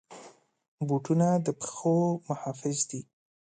بوټونه د پښو محافظ دي.